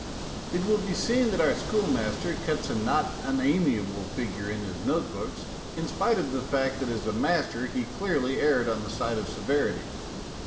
It will be seen that our schoolmaster cuts a not unamiable figure in his note books, in spite of the fact that as a master he clearly erred on the side of severity.